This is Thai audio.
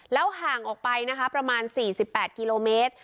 แล้วห่างออกไปนะคะประมาณสี่สิบแปดกิโลเมตร